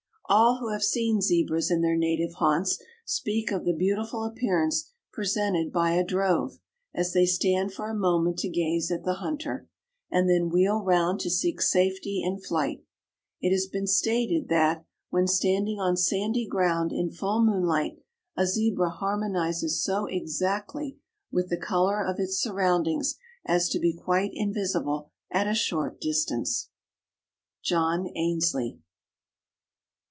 "All who have seen Zebras in their native haunts, speak of the beautiful appearance presented by a drove, as they stand for a moment to gaze at the hunter, and then wheel round to seek safety in flight. It has been stated that, when standing on sandy ground in full moonlight, a Zebra harmonizes so exactly with the color of its surroundings as to be quite invisible at a short distance." John Ainslie.